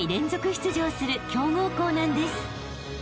出場する強豪校なんです］